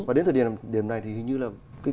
và đến thời điểm này thì hình như là